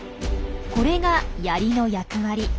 これがヤリの役割。